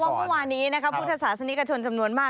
เพราะว่าเมื่อวานี้นะครับพุทธศาสนิกชนจำนวนมาก